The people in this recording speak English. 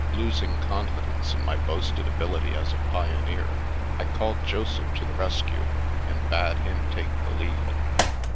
Losing confidence in my boasted ability as a pioneer, I called Joseph to the rescue, and bade him take the lead.